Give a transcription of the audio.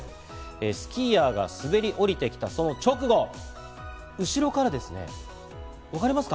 スキーヤーが滑り降りてきたその直後、後ろからですね、分かりますか？